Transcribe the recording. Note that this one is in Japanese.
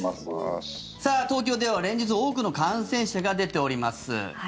東京では連日多くの感染者が出ております。